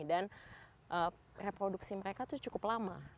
dan reproduksi mereka itu cukup lama